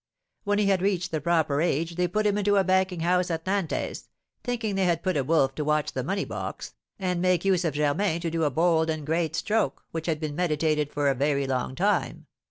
When he had reached the proper age they put him into a banking house at Nantes, thinking they had put a wolf to watch the money box, and make use of Germain to do a bold and great stroke which had been meditated for a very long time.